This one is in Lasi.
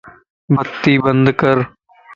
بتي بند ڪر